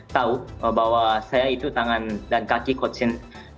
tahu bahwa saya itu tangan dan kaki coach in